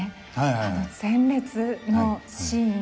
あの殲滅のシーン。